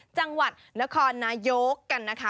จังหวัดนครนายกกันนะคะ